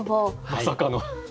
まさかの。